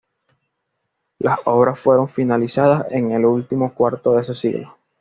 Las obras fueron finalizadas en el último cuarto de ese siglo.